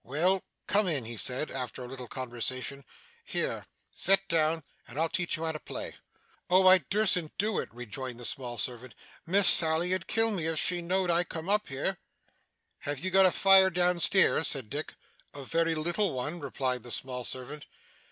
'Well come in' he said, after a little consideration. 'Here sit down, and I'll teach you how to play.' 'Oh! I durstn't do it,' rejoined the small servant; 'Miss Sally 'ud kill me, if she know'd I come up here.' 'Have you got a fire down stairs?' said Dick. 'A very little one,' replied the small servant.